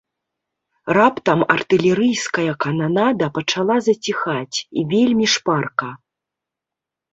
Раптам артылерыйская кананада пачала заціхаць, і вельмі шпарка.